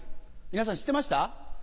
皆さん知ってました？